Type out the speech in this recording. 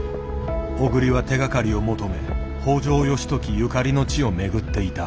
小栗は手がかりを求め北条義時ゆかりの地を巡っていた。